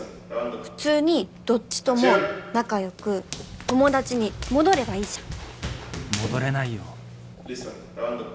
普通にどっちとも仲良く友達に戻ればいいじゃん。